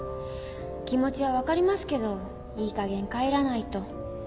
気持ちは分かりますけどいいかげん帰らないと。